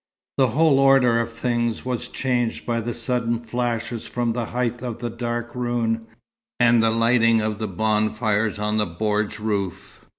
The whole order of things was changed by the sudden flashes from the height of the dark ruin, and the lighting of the bonfires on the bordj roof.